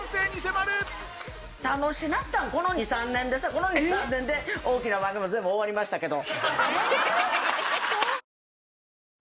この２３年で大きな番組全部終わりましたけど。